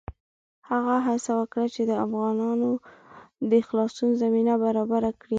هغه هڅه وکړه چې د افغانانو د خلاصون زمینه برابره کړي.